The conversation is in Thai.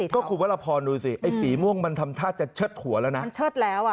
ก็คือว่ารับพรดูสิไอ้ฝีม่วงมันทำท่าจะเชิดหัวแล้ว